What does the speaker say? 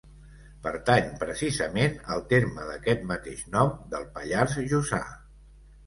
Pertany precisament al terme d'aquest mateix nom, del Pallars Jussà.